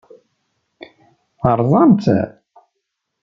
Terẓamt-tt?